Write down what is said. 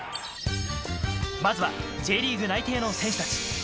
まずはＪリーグ内定の選手たち。